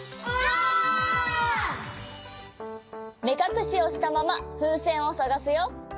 めかくしをしたままふうせんをさがすよ。